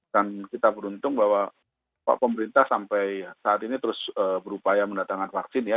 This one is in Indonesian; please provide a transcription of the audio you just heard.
dan kita beruntung bahwa pak pemerintah sampai saat ini terus berupaya mendatangkan vaksin ya